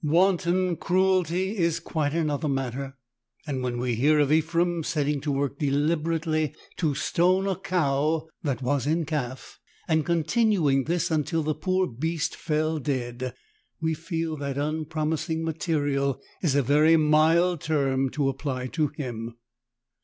Wan ton cruelty is quite another matter, and when we hear of Ephrem setting to work deliberately to stone a cow that was in calf, and continuing this until the poor beast fell dead, we feel that ''Unpromising Material" is a very mild term to apply to him.